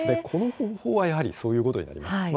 この方法はそういうことになります。